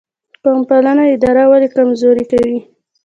قوم پالنه اداره ولې کمزورې کوي؟